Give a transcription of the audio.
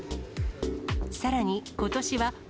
さらにことしは。